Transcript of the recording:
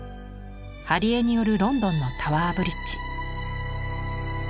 貼絵による「ロンドンのタワーブリッジ」。